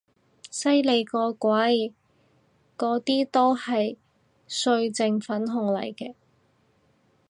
犀利個鬼，嗰啲都係歲靜粉紅嚟嘅